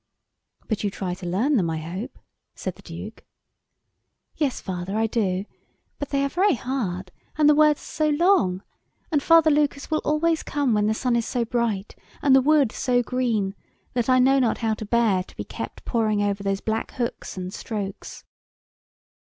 "But you try to learn them, I hope!" said the Duke. "Yes, father, I do, but they are very hard, and the words are so long, and Father Lucas will always come when the sun is so bright, and the wood so green, that I know not how to bear to be kept poring over those black hooks and strokes."